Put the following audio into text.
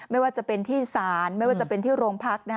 ไม่ว่าจะเป็นที่ศาลไม่ว่าจะเป็นที่โรงพัก